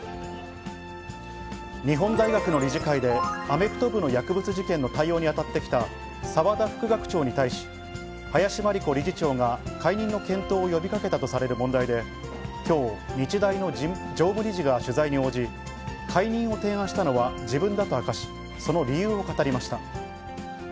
日本大学の理事会で、アメフト部の薬物事件に対応に当たってきたさわだ副学長に対し、林真理子理事長が解任の検討を呼びかけたとされる問題で、きょう、日大の常務理事が取材に応じ、解任を提案したのは自分だと明かし、その理由を語りました。